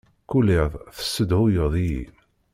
Kul iḍ tessedhuyeḍ-iyi.